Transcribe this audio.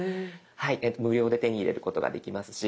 無料で手に入れることができますし。